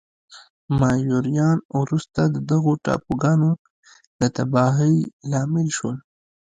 مایوریان وروسته د دغو ټاپوګانو د تباهۍ لامل شول.